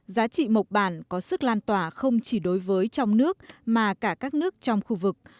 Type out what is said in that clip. giá trị mộc bản có sức lan tỏa không chỉ đối với trong nước mà cả các nước trong khu vực